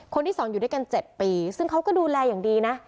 คนที่๒อยู่ด้วยกัน๗ปีซึ่งเขาก็ดูแลอย่างดีนะ